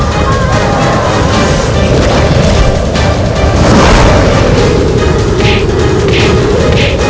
semoga allah selalu melindungi kita